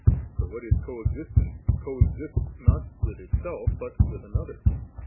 For what is coexistent, coexists not with itself but with another.